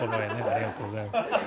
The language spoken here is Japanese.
ありがとうございます。